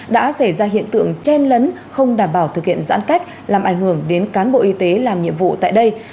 đã xảy ra hiện tượng chen lấn không đảm bảo thực hiện giãn cách làm ảnh hưởng đến cán bộ y tế làm nhiệm vụ tại đây